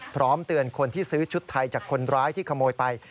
พร้อมเตือนคนที่ซื้อชุดไทยจากคนร้ายที่ขโมยไป